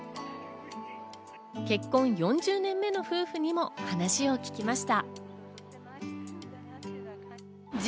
結婚４０年目の夫婦にも話を聞きました。